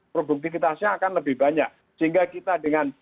produktivitasnya akan lebih banyak sehingga kita dengan